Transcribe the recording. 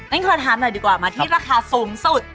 ขอถามหน่อยดีกว่ามาที่ราคาสูงสุด